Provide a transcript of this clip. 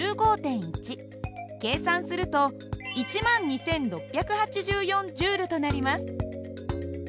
計算すると１２，６８４Ｊとなります。